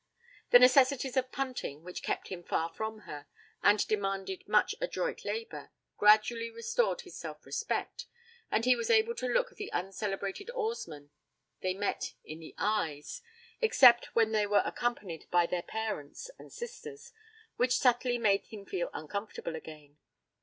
The necessities of punting, which kept him far from her, and demanded much adroit labour, gradually restored his self respect, and he was able to look the uncelebrated oarsmen they met in the eyes, except when they were accompanied by their parents and sisters, which subtly made him feel uncomfortable again.